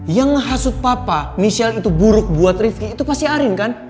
yang hasut papa michelle itu buruk buat rifki itu pasti arin kan